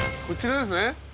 こちらですね